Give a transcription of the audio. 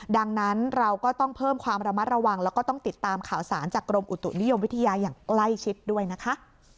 ดังนั้นเราก็ต้องเพิ่มความระมัดระวังแล้วก็ต้องติดตามข่าวสารจากกรมอุตุนิยมวิทยาอย่างใกล้ชิดด้วยนะคะ